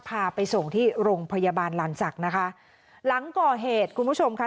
พาไปส่งที่โรงพยาบาลลานศักดิ์นะคะหลังก่อเหตุคุณผู้ชมค่ะ